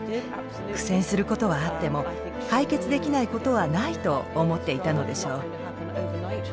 苦戦することはあっても解決できないことはないと思っていたのでしょう。